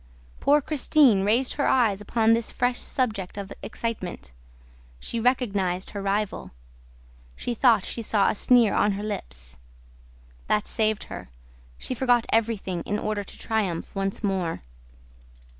Poor Christine raised her eyes upon this fresh subject of excitement. She recognized her rival. She thought she saw a sneer on her lips. That saved her. She forgot everything, in order to triumph once more.